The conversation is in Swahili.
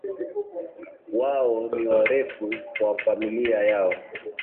Wao ni warefu kwa familia yao